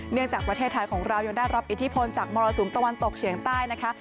จากประเทศไทยของเรายังได้รับอิทธิพลจากมรสุมตะวันตกเฉียงใต้นะคะ